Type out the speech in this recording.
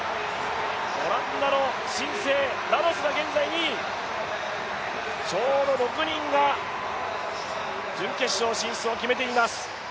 オランダの新星ラロスが現在２位、ちょうど６人が準決勝進出を決めています。